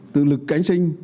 tự lực cánh sinh